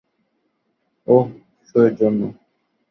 ওহ, show এর জন্য।